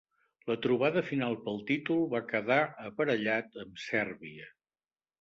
La trobada final pel títol, va quedar aparellat amb Sèrbia.